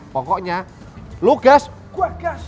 pokoknya lu gas gua gas sob